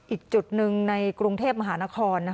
อีกจุดหนึ่งในกรุงเทพมหานคร